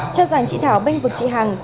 cho rằng chị thảo bênh vực chị hằng